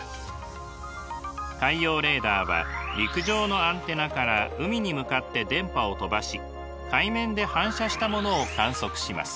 海洋レーダーは陸上のアンテナから海に向かって電波を飛ばし海面で反射したものを観測します。